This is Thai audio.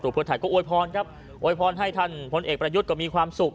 เพื่อไทยก็อวยพรครับโวยพรให้ท่านพลเอกประยุทธ์ก็มีความสุข